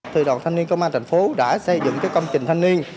từ đoàn thanh niên công an thành phố đã xây dựng công trình thanh niên